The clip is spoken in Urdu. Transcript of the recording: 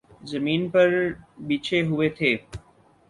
زمین پر بچھے ہوئے تھے۔